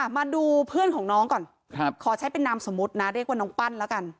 มาดูเพื่อนของน้องก่อนขอใช้เป็นนามสมมุตินะเรียกว่าน้องปั้นแล้วกัน